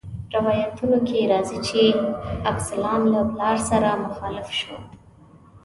روایتونو کې راځي چې ابسلام له پلار سره مخالف شو.